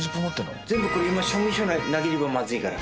全部これ今証明書なければまずいから。